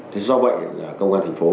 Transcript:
thế do vậy là công an thành phố